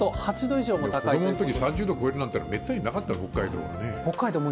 子どものとき、３０度超えるなんてめったになかった、北海道はね。